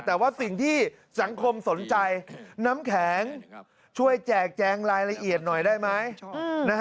แต่ว่าสิ่งที่สังคมสนใจน้ำแข็งช่วยแจกแจงรายละเอียดหน่อยได้ไหม